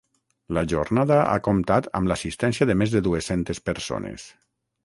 La jornada ha comptat amb l’assistència de més de dues-centes persones.